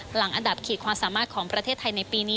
หลังอันดับขีดความสามารถของประเทศไทยในปีนี้